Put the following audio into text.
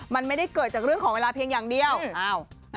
มันไม่ได้เกิดจากเรื่องของเวลาเพียงอย่างเดียวอ้าว